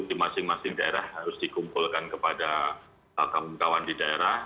di masing masing daerah harus dikumpulkan kepada kawan kawan di daerah